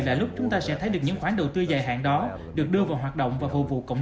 là lúc chúng ta sẽ thấy được những khoản đầu tư dài hạn đó được đưa vào hoạt động và phục vụ cộng